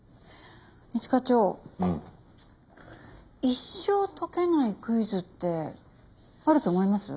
一生解けないクイズってあると思います？